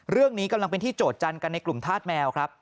เรื่องนี้กำลังเป็นที่โจทยันกันในกลุ่มธาตุแมวครับ